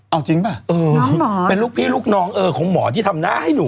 เอาจริงป่ะเออเป็นลูกพี่ลูกน้องเออของหมอที่ทำหน้าให้หนู